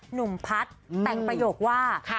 หนุ่มพัฒน์แต่งประโยคว่า